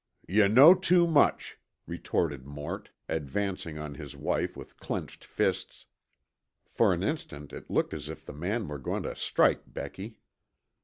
"Yuh know too much," retorted Mort, advancing on his wife with clenched fists. For an instant it looked as if the man were going to strike Becky.